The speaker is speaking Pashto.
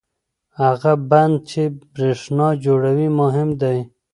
هغه بند چې برېښنا جوړوي مهم دی.